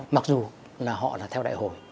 mặc dù là họ là theo đại hồi